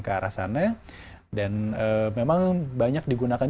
ke arah sana dan memang banyak digunakan